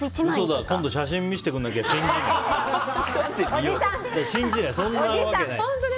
今度写真見せてくれなきゃ信じない。